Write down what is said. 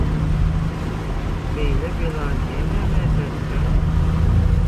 Beýle bela nämä mätäçkäm?